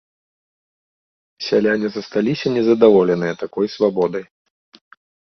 Сяляне засталіся незадаволеныя такой свабодай.